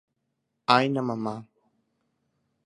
Áina mamá